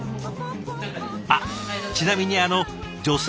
あっちなみにあの女性